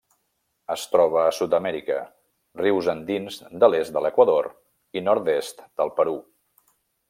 Es troba a Sud-amèrica: rius andins de l'est de l'Equador i nord-est del Perú.